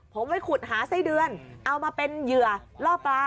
ผมไว้ขุดหาไส้เดือนเอามาเป็นเหยื่อล่อปลา